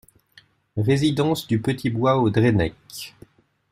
Résidence du Petit Bois au Drennec